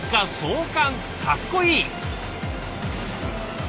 かっこいい！